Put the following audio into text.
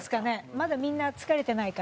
まだみんな疲れてないか？